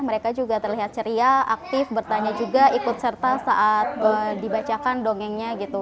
mereka juga terlihat ceria aktif bertanya juga ikut serta saat dibacakan dongengnya gitu